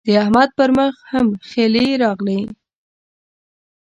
د احمد پر مخ هم خلي راغلل.